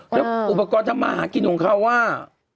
แล้วอุปกรณ์ทำมาหากินของเขาว่า